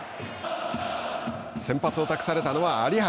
先発を託されたのは有原。